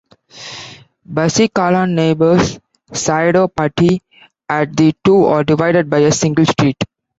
Bassi Kalan neighbors Saido Patti, and the two are divided by a single street.